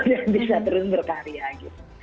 dan bisa terus berkarya gitu